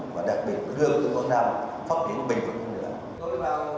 và đặc biệt là đưa tỉnh quảng nam phát triển bình thường hơn nữa